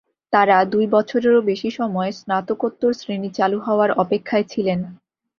তাঁরা দুই বছরেরও বেশি সময় স্নাতকোত্তর শ্রেণী চালু হওয়ার অপেক্ষায় ছিলেন।